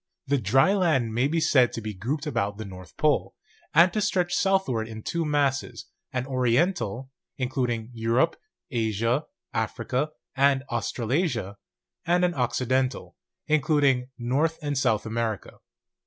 The dry land may be said to be grouped about the North Pole, and to stretch southward in two masses, an Oriental, including Europe, Asia, Africa, and Australasia, and an Occiden tal, including North and South America.